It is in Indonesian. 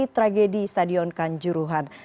tragedi stadion kanjuruhan